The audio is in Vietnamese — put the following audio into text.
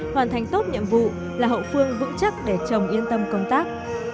hoàn thành tốt nhiệm vụ là hậu phương vững chắc để chồng yên tâm công tác